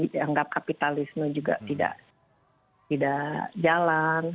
dianggap kapitalisme juga tidak jalan